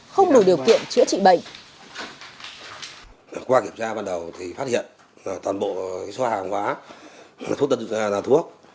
không đủ điều kiện chữa trị bệnh